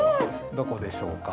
どこでしょうか？